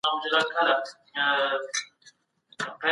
سالم ذهن هدف نه زیانمنوي.